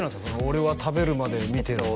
俺は食べるまで見てるぞ